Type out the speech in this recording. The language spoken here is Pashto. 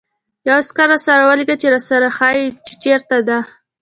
یو عسکر راسره ولېږه چې را يې ښيي، چې چېرته ده.